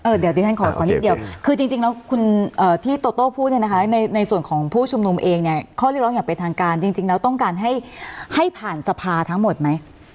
เดี๋ยวดิฉันขอนิดเดียวคือจริงแล้วคุณที่โตโต้พูดเนี่ยนะคะในส่วนของผู้ชุมนุมเองเนี่ยข้อเรียกร้องอย่างเป็นทางการจริงแล้วต้องการให้ผ่านสภาทั้งหมดไหม